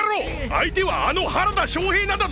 相手はあの原田正平なんだぞ！